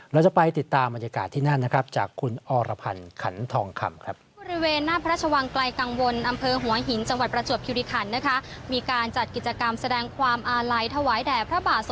เราจะไปติดตามบรรยากาศที่นั่นนะครับจากคุณอรพันธ์ขันทองคำครับ